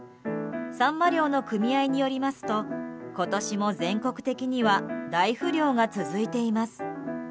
サンマ漁の組合によりますと今年も全国的には大不漁が続いています。